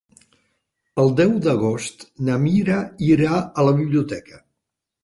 El deu d'agost na Mira irà a la biblioteca.